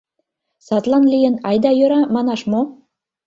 Садлан лийын, «айда йӧра» манаш мо?